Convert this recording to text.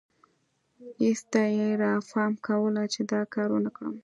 ایسته یې رافهم کوله چې دا کار ونکړم.